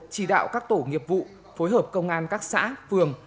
chỉ đạo các tổ nghiệp vụ phối hợp công an các xã phường